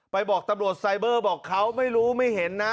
บอกตำรวจไซเบอร์บอกเขาไม่รู้ไม่เห็นนะ